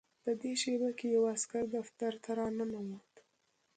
په دې شېبه کې یو عسکر دفتر ته راننوت